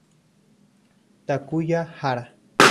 Takuya Hara